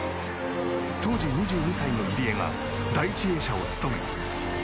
当時２２歳の入江が第１泳者を務め。